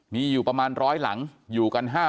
มีอยู่ประมาณ๑๐๐หลังอยู่กัน๕๐๐